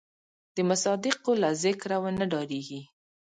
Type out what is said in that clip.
د مصادقو له ذکره ونه ډارېږي.